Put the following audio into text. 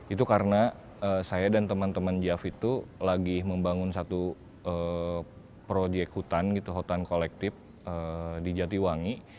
itu karena saya dan teman teman jav itu lagi membangun satu proyek hutan gitu hutan kolektif di jatiwangi